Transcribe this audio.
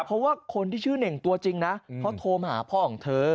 เพราะว่าคนที่ชื่อเน่งตัวจริงนะเขาโทรมาหาพ่อของเธอ